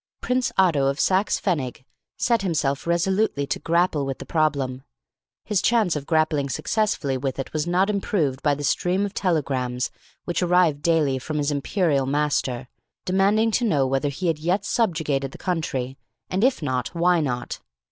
Prince Otto of Saxe Pfennig set himself resolutely to grapple with the problem. His chance of grappling successfully with it was not improved by the stream of telegrams which arrived daily from his Imperial Master, demanding to know whether he had yet subjugated the country, and if not, why not.